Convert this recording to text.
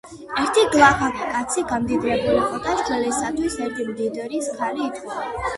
ერთი გლახაკი კაცი გამდიდრებულიყო და შვილისათვის ერთი მდიდრის ქალი ითხოვა.